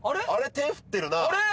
手振ってるなあれ？